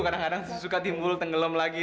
kadang kadang suka timbul tenggelam lagi